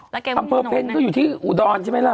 อำเภอเพ็ญก็อยู่ที่อุดรใช่ไหมล่ะ